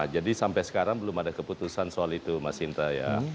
jadi sampai sekarang belum ada keputusan soal itu mas indra ya